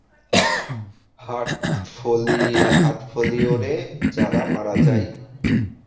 হাট ফোলিওরে যারা মারা যায়।